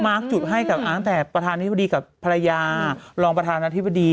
จุดให้กับตั้งแต่ประธานธิบดีกับภรรยารองประธานาธิบดี